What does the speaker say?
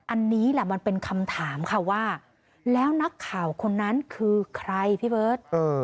อันนี้แหละมันเป็นคำถามค่ะว่าแล้วนักข่าวคนนั้นคือใครพี่เบิร์ต